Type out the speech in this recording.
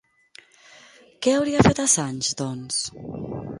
Què hauria fet Assange, doncs?